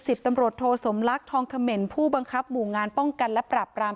ตำรวจโทสมลักษณ์ทองคำเขม่นผู้บังคับหมู่งานป้องกันและปรับราม